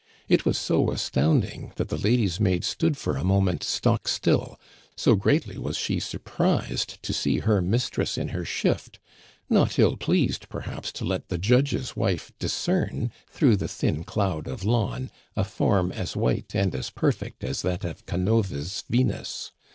It was so astounding, that the lady's maid stood for a moment stock still, so greatly was she surprised to see her mistress in her shift, not ill pleased perhaps to let the judge's wife discern through the thin cloud of lawn a form as white and as perfect as that of Canova's Venus.